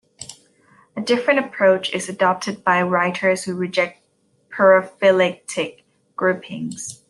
A different approach is adopted by writers who reject paraphyletic groupings.